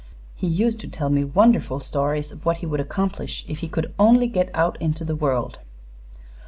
He used to tell me wonderful stories of what he would accomplish if he could only get out into the world.